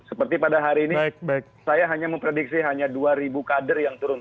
seperti pada hari ini saya hanya memprediksi hanya dua kader yang turun